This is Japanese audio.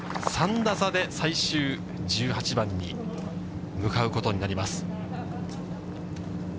３打差で最終１８番に向かうことになります。